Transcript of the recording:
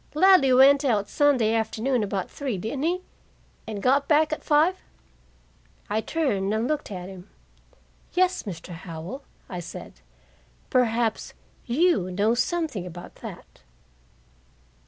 "Ladley went out Sunday afternoon about three, didn't he and got back at five?" I turned and looked at him. "Yes, Mr. Howell," I said. "Perhaps you know something about that."